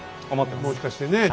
もしかしてね。